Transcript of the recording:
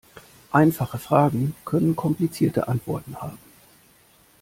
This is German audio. Einfache Fragen können komplizierte Antworten haben.